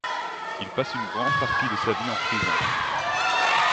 Il passe une grande partie de sa vie en prison.